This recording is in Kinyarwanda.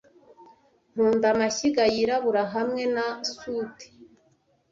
nkunda amashyiga yirabura hamwe na soot